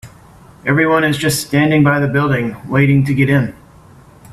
Everyone is just standing by the building, waiting to get in.